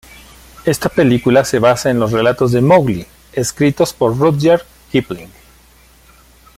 Esta película se basa en los relatos de "Mowgli", escritos por Rudyard Kipling.